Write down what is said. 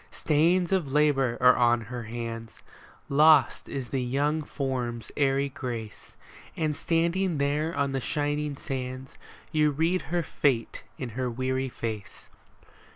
MAUD AND MADGE Stains of labor are on her hands, Lost is the young form's airy grace ; And standing there on the shining sands You read her fate in her weary face.